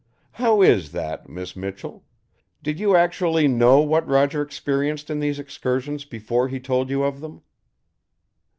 How is that, Miss Michell? Did you actually know what Roger experienced in these excursions before he told you of them?"